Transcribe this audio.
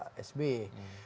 lalu saya masih ingat